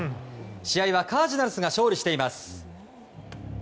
試合はカージナルスが勝利しています。